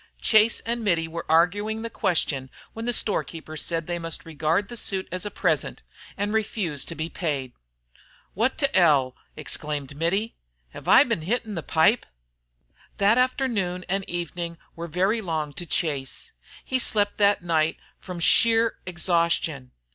Chase and Mittie were arguing the question when the storekeeper said they must regard the suit as a present, and refused to be paid. "Wot t' 'll!" exclaimed Mittie. "Hev I ben hittin' the pipe?" The afternoon and evening were very long to Chase. He slept that night from sheer exhaustion.